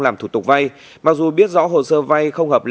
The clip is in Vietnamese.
làm thủ tục vay